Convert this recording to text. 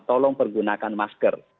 tolong pergunakan masker